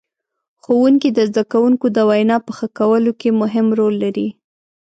ښوونکي د زدهکوونکو د وینا په ښه کولو کې مهم رول لري.